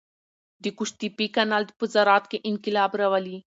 د قوشتېپې کانال په زراعت کې انقلاب راولي.